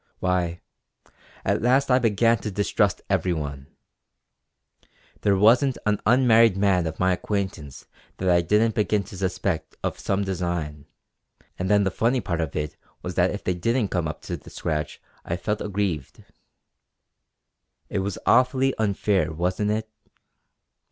Why, at last I began to distrust everyone. There wasn't an unmarried man of my acquaintance that I didn't begin to suspect of some design; and then the funny part of it was that if they didn't come up to the scratch I felt aggrieved. It was awfully unfair wasn't it?